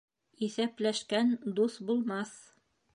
Иҫәпләшкән дуҫ булмаҫ.